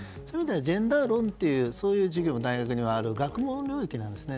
ジェンダー論という授業が大学にはある学問領域なんですね。